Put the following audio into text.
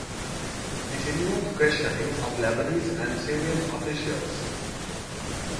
It involved questioning of Lebanese and Syrian officials.